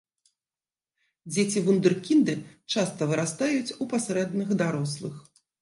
Дзеці-вундэркінды часта вырастаюць у пасрэдных дарослых.